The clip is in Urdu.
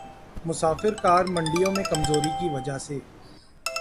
مسافر کار منڈیوں میں کمزوری کی وجہ سے